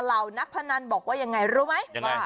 เหล่านักพนันบอกว่าอย่างไงรู้มั้ย